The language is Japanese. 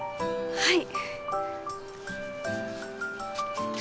はい。